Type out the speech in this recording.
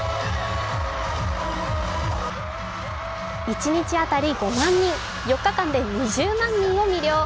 一日当たり５万人、４日間で２０万人を魅了。